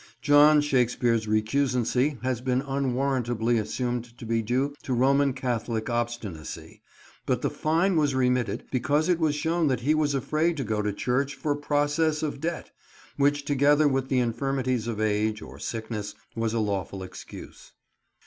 John Shakespeare's recusancy has been unwarrantably assumed to be due to Roman Catholic obstinacy; but the fine was remitted because it was shown that he was afraid to go to church "for processe of debt"; which, together with the infirmities of age, or sickness, was a lawful excuse.